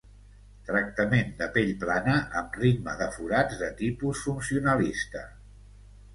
Tractament de pell plana amb ritme de forats de tipus funcionalista.